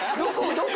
どこ？